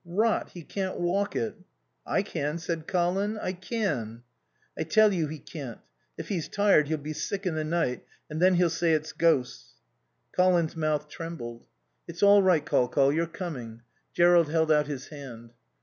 "Rot. He can't walk it." "I can," said Colin. "I can." "I tell you he can't. If he's tired he'll be sick in the night and then he'll say it's ghosts." Colin's mouth trembled. "It's all right, Col Col, you're coming." Jerrold held out his hand.